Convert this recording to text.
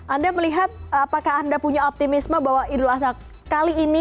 anda melihat apakah anda punya optimisme bahwa idul adha kali ini